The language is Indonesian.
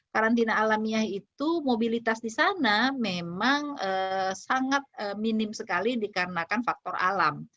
karantina alamiah itu mobilitas di sana memang sangat minim sekali dikarenakan faktor alam